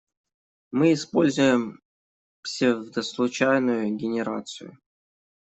Мы используем псевдослучайную генерацию.